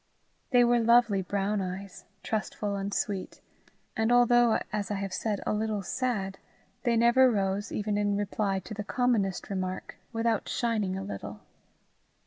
They were lovely brown eyes, trustful and sweet, and although, as I have said, a little sad, they never rose, even in reply to the commonest remark, without shining a little.